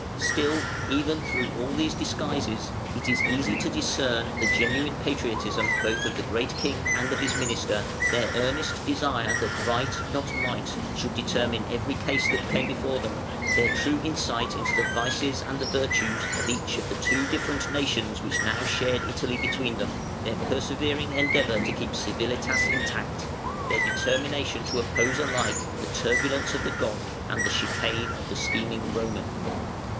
Still, even through all these disguises, it is easy to discern the genuine patriotism both of the great King and of his minister, their earnest desire that right, not might, should determine every case that came before them, their true insight into the vices and the virtues of each of the two different nations which now shared Italy between them, their persevering endeavour to keep civilitas intact, their determination to oppose alike the turbulence of the Goth and the chicane of the scheming Roman.